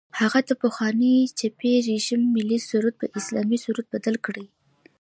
هغه د پخواني چپي رژیم ملي سرود په اسلامي سرود بدل کړي.